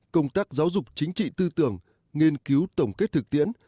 công tác giáo dục chính trị tư tưởng nghiên cứu tổng kết thực tiễn